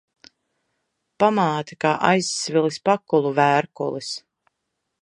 Pamāte kā aizsvilis pakulu vērkulis.